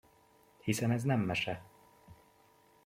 Hiszen ez nem mese!